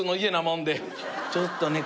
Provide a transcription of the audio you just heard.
ちょっとね